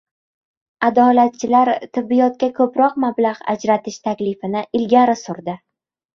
“Adolat”chilar tibbiyotga ko‘proq mablag‘ ajratish taklifini ilgari surdi